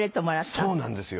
そうなんですよ。